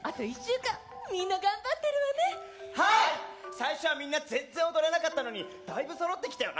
最初はみんな全然踊れなかったのにだいぶそろってきたよな。